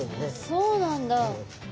そうなんだ。